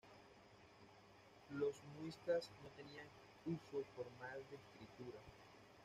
Los muiscas no tenían uso formal de escritura.